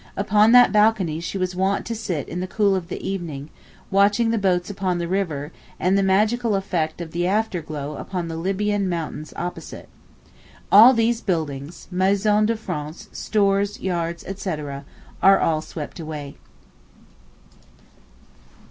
Upon that balcony she was wont to sit in the cool of the evening, watching the boats upon the river and the magical effect of the after glow upon the Libyan mountains opposite. All these buildings—"Maison de France," stores, yards, etc. ... are all swept away.